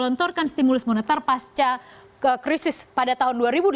contohkan stimulus moneter pasca krisis pada tahun dua ribu delapan